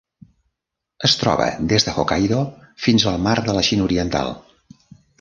Es troba des de Hokkaido fins al Mar de la Xina Oriental.